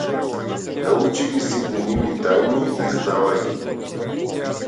Научи ги сите нивни тајни и издавај ги.